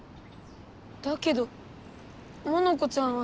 だけどモノコちゃんは。